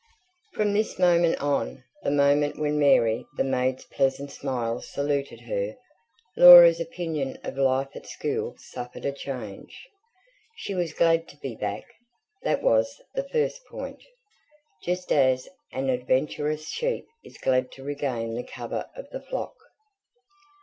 From this moment on the moment when Mary the maid's pleasant smile saluted her Laura's opinion of life at school suffered a change. She was glad to be back that was the first point: just as an adventurous sheep is glad to regain the cover of the flock.